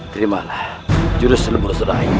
terimalah jurus lembur selain